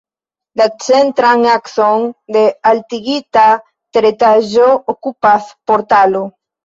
La centran akson de altigita teretaĝo okupas portalo.